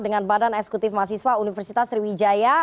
dengan badan eksekutif mahasiswa universitas sriwijaya